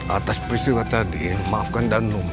atas peristiwa tadi maafkan ranum ya